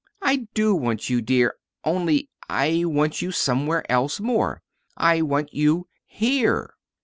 I do want you, dear, only I want you somewhere else more. I want you here."